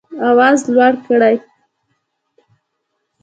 آواز لوړ کړئ